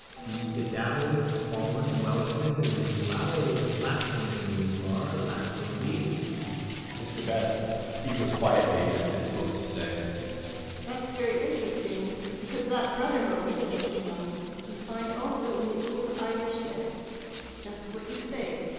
_ Seabedabbled, fallen, weltering. Lapwing you are. Lapwing be. Mr Best eagerquietly lifted his book to say: —That's very interesting because that brother motive, don't you know, we find also in the old Irish myths. Just what you say.